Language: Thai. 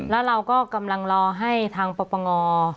แล้วเราก็กำลังรอให้ทางปปง